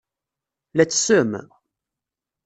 La ttessem?